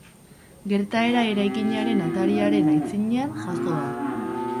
Gertaera eraikinaren atariaren aitzinean jazo da.